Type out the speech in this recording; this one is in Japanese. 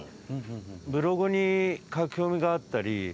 ブログに書き込みがあったり。